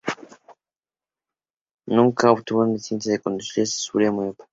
Wankel nunca obtuvo una licencia de conducir, ya que sufría de miopía.